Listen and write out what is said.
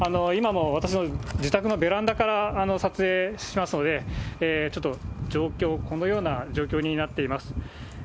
今も私の自宅のベランダから撮影しますので、ちょっと、状況、このような状況になっています。